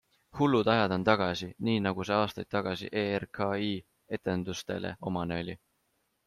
Hullud ajad on tagasi, nii nagu see aastaid tagasi ERKI etendustele omane oli!